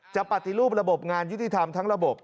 ปฏิรูประบบงานยุติธรรมทั้งระบบ